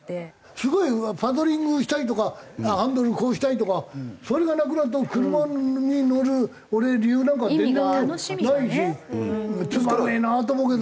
すごいハンドリングしたりとかハンドルこうしたりとかそれがなくなると車に乗る俺理由なんか全然ないしつまんねえなと思うけどな。